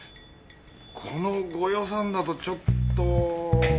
このご予算だとちょっと。